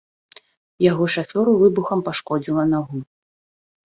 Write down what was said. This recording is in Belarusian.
Яго шафёру выбухам пашкодзіла нагу.